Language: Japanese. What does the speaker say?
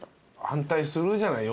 反対するじゃない